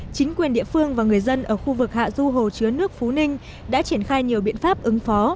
chính quyền địa phương và người dân ở khu vực hạ du hồ chứa nước phú ninh đã triển khai nhiều biện pháp ứng phó